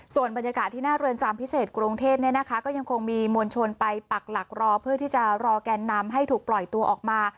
ส่วนบรรยากาศที่หน้าเรือนจำพิเศษกรุงเทพเนี่ยนะคะก็ยังคงมีมวลชนไปปักหลักรอเพื่อที่จะรอแกนนำให้ถูกปล่อยตัวออกมา